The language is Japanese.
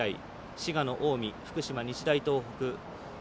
滋賀の近江、福島の日大東北。